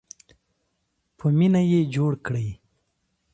په مینه یې جوړ کړئ.